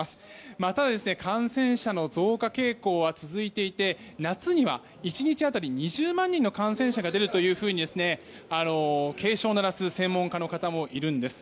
また、感染者の増加傾向は続いていて夏には１日当たり２０万人の感染者が出るというふうに警鐘を鳴らす専門家の方もいるんです。